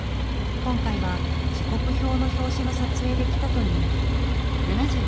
今回は「時刻表」の表紙の撮影で来たという。